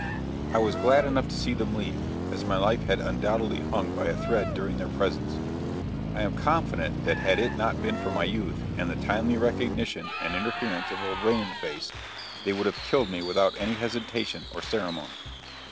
I was glad enough to see them leave, as my life had undoubtedly hung by a thread during their presence. I am confident that had it not been for my youth and the timely recognition and interference of old Rain in the Face they would have killed me without any hesitation or ceremony.